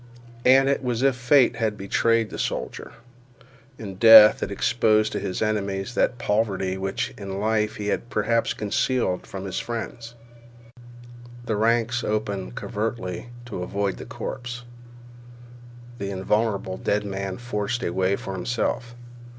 And it was as if fate had betrayed the soldier. In death it exposed to his enemies that poverty which in life he had perhaps concealed from his friends. The ranks opened covertly to avoid the corpse. The invulnerable dead man forced a way for himself.